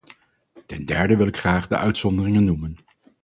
Ten derde wil ik graag de uitzonderingen noemen.